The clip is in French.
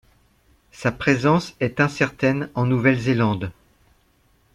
Sa présence est incertaine en Nouvelle-Zélande.